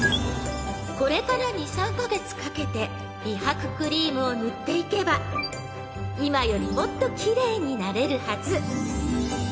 ［これから２３カ月かけて美白クリームを塗っていけば今よりもっと奇麗になれるはず］